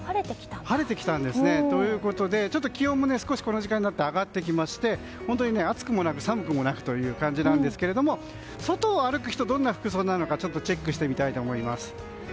晴れてきたんですね。ということで気温もこの時間少し上がってきまして本当に暑くもなく寒くもなくという感じですけど外を歩く人はどんな服装なのかチェックしてみたいと思います。